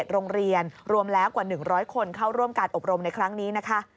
โรงเรียนรวมแล้วกว่า๑๐๐คนเข้าร่วมการอบรมในครั้งนี้นะคะ